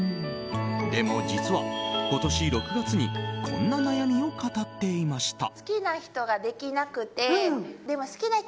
でも実は、今年６月にこんな悩みを語っていました。